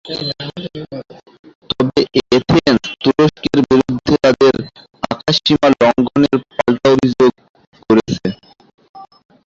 তবে এথেন্স তুরস্কের বিরুদ্ধে তাদের আকাশসীমা লঙ্ঘনের পাল্টা অভিযোগ করেছে।